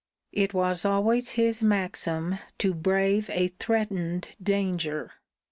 It was always his maxim to brave a threatened danger.